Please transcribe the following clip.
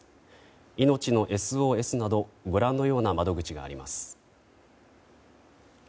いのちのＳＯＳなどご覧のような窓口があります。